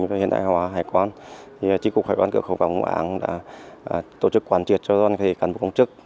giảm thời gian thông quan hàng hóa hải quan trí cục hải quan cựu khẩu văn ngũ án đã tổ chức quản triệt cho doanh nghiệp cán bộ công chức